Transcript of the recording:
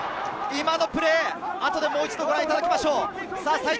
今のプレー、後でもう一度ご覧いただきましょう。